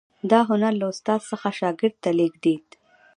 دا هنر له استاد څخه شاګرد ته لیږدید.